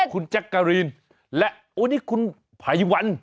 คุณแจ๊กกะรีนและโอ้นี่คุณภัยวัน